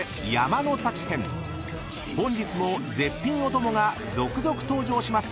［本日も絶品おともが続々登場します］